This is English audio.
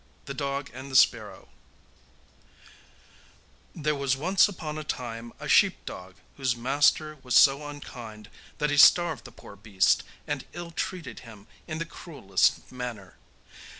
The Dog and the Sparrow There was once upon a time a sheep dog whose master was so unkind that he starved the poor beast, and ill treated him in the cruellest manner.